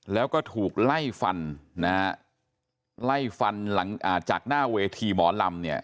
แล้วก็ถูกไล่ฟันนะฮะไล่ฟันหลังจากหน้าเวทีหมอลำเนี่ย